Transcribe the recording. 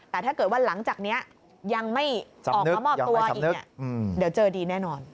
แต่ถ้าเกิดว่าหลังจากนี้ยังไม่ออกมามอบตัวอีกเนี่ยเดี๋ยวเจอดีแน่นอน